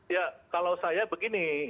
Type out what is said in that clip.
ya kalau saya begini